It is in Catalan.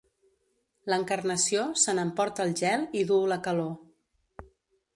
L'Encarnació se n'emporta el gel i duu la calor.